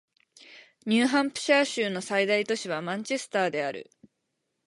ニューハンプシャー州の最大都市はマンチェスターである